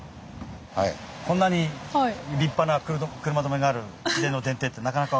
こんなに立派な車止めがある市電の電停ってなかなか。